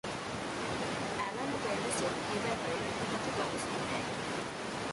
Alan পেরলিস-ও এ ব্যাপারে নেতিবাচক অবস্থান নেন।